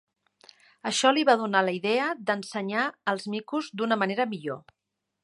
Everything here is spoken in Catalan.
Això li va donar la idea d'ensenyar als micos d'una manera millor.